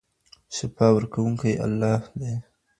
شفا ورکوونکی الله دی.